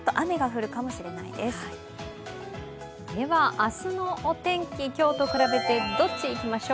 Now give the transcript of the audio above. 明日のお天気、今日と比べてどっち、いきましょう。